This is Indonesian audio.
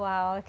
wah luar biasa